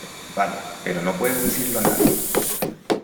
vale, pero no puedes decirlo a nadie.